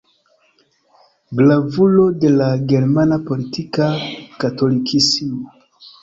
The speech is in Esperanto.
Gravulo de la germana politika katolikismo.